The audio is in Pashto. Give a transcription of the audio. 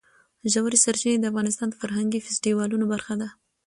ژورې سرچینې د افغانستان د فرهنګي فستیوالونو برخه ده.